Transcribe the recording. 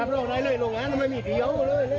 บอกเลยอย่าไปไม่เชื่อ